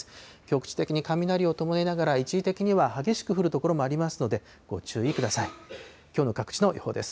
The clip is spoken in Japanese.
局地的に雷を伴いながら、一時的には激しく降る所もありますので、ご注意ください。